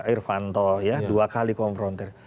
irvanto ya dua kali konfrontir